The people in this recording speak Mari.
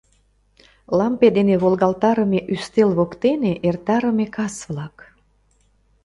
Лампе дене волгалтарыме ӱстел воктене эртарыме кас-влак...